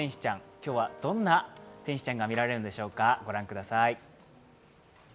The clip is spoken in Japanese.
今日はどんな天使ちゃんが見れるのかご覧ください。